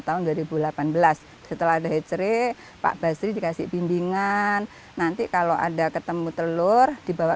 tahun dua ribu delapan belas setelah ada hcre pak basri dikasih bimbingan nanti kalau ada ketemu telur dibawa